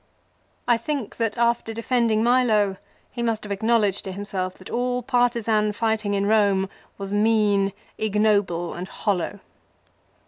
I think that after defending Milo he must have acknowledged to himself that all partisan fighting in Rome was mean ignoble and hollow.